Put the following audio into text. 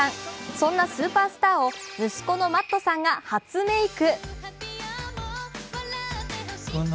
そんなスーパースターを息子のＭａｔｔさんが初メーク。